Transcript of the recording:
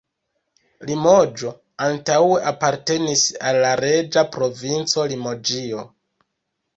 Limoĝo antaŭe apartenis al la reĝa provinco Limoĝio.